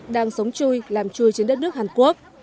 đang sống chui làm chui trên đất nước hàn quốc